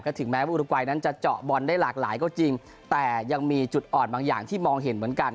ถึงแม้มูรกวัยนั้นจะเจาะบอลได้หลากหลายก็จริงแต่ยังมีจุดอ่อนบางอย่างที่มองเห็นเหมือนกัน